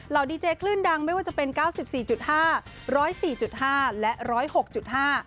ดีเจคลื่นดังไม่ว่าจะเป็นเก้าสิบสี่จุดห้าร้อยสี่จุดห้าและร้อยหกจุดห้า